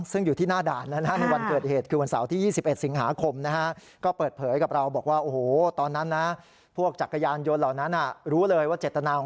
ซึ่งอยู่ที่หน้าด่านนะครับในวันเกิดเหตุ